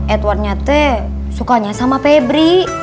edwardnya teh sukanya sama febri